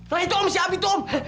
nah itu om si abi itu om